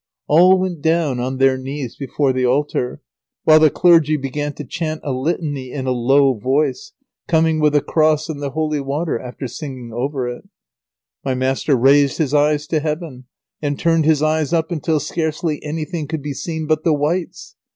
All went down on their knees before the altar, while the clergy began to chant a litany in a low voice, coming with a cross and the holy water, after singing over it. My master raised his hands to heaven, and turned his eyes up until scarcely anything could be seen but the whites. [Sidenote: The farce is carried on to completion.